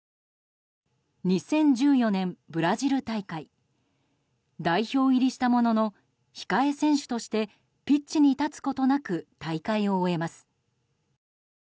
２０１４年、ブラジル大会。代表入りしたものの控え選手としてピッチに立つことなく大会を終えます。